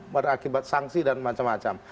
berakibat sanksi dan macam macam